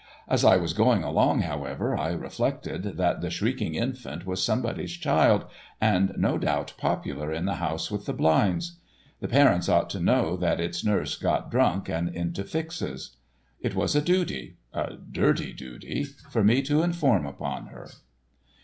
As I was going along, however, I reflected that the shrieking infant was somebody's child, and no doubt popular in the house with the blinds. The parents ought to know that its nurse got drunk and into fixes. It was a duty—a dirty duty—for me to inform upon her.